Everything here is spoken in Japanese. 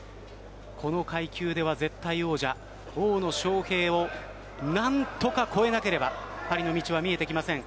この階級では絶対王者の大野将平を何とか超えなければパリの道は見えてきません。